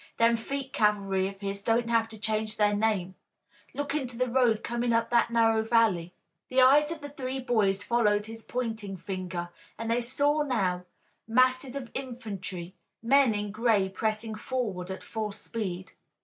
Them feet cavalry of his don't have to change their name. Look into the road comin' up that narrow valley." The eyes of the three boys followed his pointing finger, and they now saw masses of infantry, men in gray pressing forward at full speed.